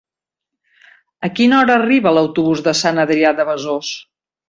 A quina hora arriba l'autobús de Sant Adrià de Besòs?